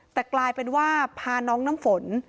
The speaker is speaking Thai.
แต่กลายเป็นว่าพาน้องน้ำฝน